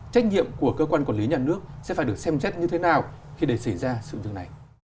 trách nhiệm của cơ quan quản lý nhà nước sẽ phải được xem chết như thế nào khi để xảy ra sự như thế này